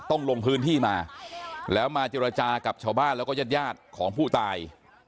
ลงพื้นที่มาแล้วมาเจรจากับชาวบ้านแล้วก็ญาติยาดของผู้ตาย